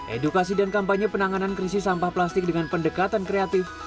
edukasi dan kampanye penanganan krisis sampah plastik dengan pendekatan kreatif